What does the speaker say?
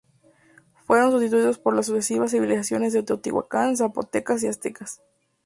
Fueron sustituidos por las sucesivas civilizaciones de Teotihuacán, zapotecas y aztecas.